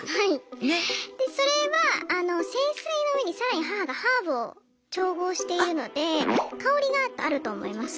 それはあの聖水の上に更に母がハーブを調合しているので香りがあると思います。